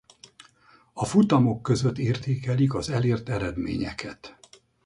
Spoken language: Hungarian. A futamok között értékelik az elért eredményeket.